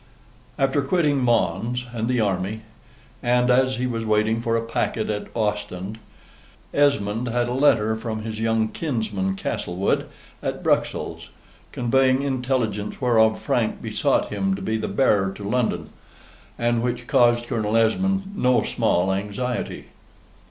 After quitting Mons and the army, and as he was waiting for a packet at Ostend, Esmond had a letter from his young kinsman Castlewood at Bruxelles, conveying intelligence whereof Frank besought him to be the bearer to London, and which caused Colonel Esmond no small anxiety.